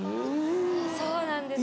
そうなんですね。